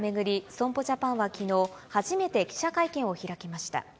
損保ジャパンはきのう、初めて記者会見を開きました。